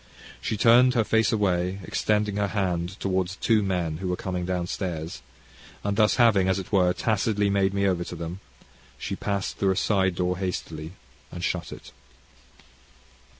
She turned her face away, extending her hand towards two men who were coming down stairs; and thus having, as it were, tacitly made me over to them, she passed through a side door hastily and shut it.